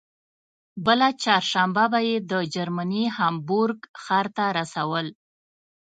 بله چهارشنبه به یې د جرمني هامبورګ ښار ته رسول.